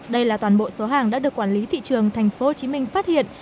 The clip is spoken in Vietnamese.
đây là toàn bộ số hàng đã được quản lý thị trường tp hcm phát hiện